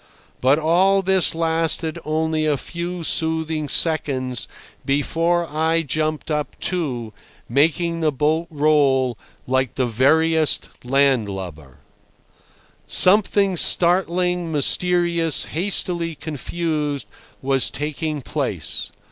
But all this lasted only a few soothing seconds before I jumped up too, making the boat roll like the veriest landlubber. Something startling, mysterious, hastily confused, was taking place.